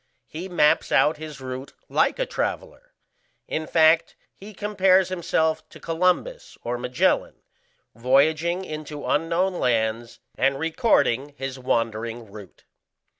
He maps out his route like a traveller. In fact he compares himself to Columbus or Magellan, voyaging into unknown lands, and recording his wandering route.